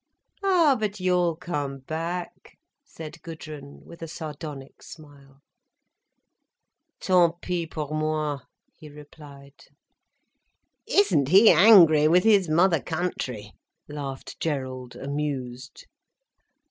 "Ah, but you'll come back," said Gudrun, with a sardonic smile. "Tant pis pour moi," he replied. "Isn't he angry with his mother country!" laughed Gerald, amused.